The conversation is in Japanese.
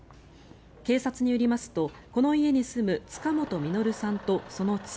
警察によりますとこの家に住む塚本実さんとその妻